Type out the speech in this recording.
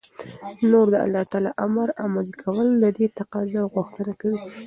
نو دالله تعالى امر عملي كول ددې تقاضا او غوښتنه كوي